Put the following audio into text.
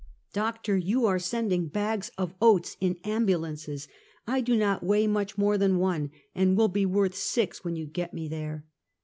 " Doctor, you are sending bags of oats in ambu lances! I do not weigh much more than one, and will be worth six when you get me there."